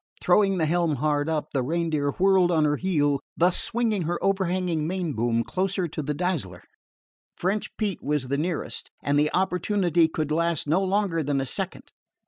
Throwing the helm hard up, the Reindeer whirled on her heel, thus swinging her overhanging main boom closer to the Dazzler. French Pete was the nearest, and the opportunity could last no longer than a second.